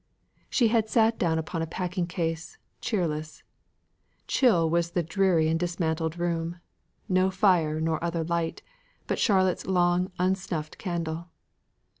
She had sate down upon a packing case; cheerless, chill was the dreary and dismantled room no fire, nor other light, but Charlotte's long unsnuffed candle.